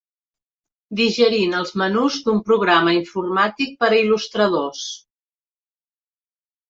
Digerint els menús d'un programa informàtic per a il·lustradors.